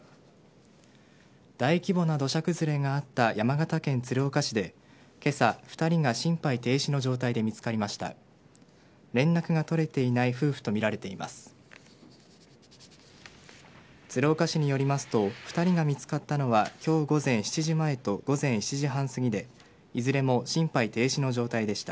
大規模な土砂崩れがあった山形県鶴岡市でけさ、２人が心肺停止の状態で見つかりました。